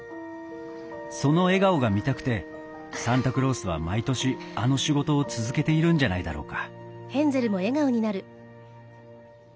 その笑顔が見たくてサンタクロースは毎年あの仕事を続けているんじゃないだろうか